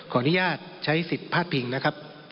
อนุญาตใช้สิทธิ์พาดพิงนะครับ